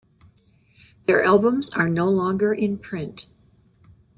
Their albums are no longer in print.